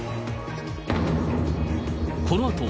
このあと、